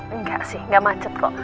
enggak sih enggak macet kok